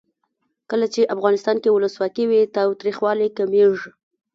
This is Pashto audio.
کله چې افغانستان کې ولسواکي وي تاوتریخوالی کمیږي.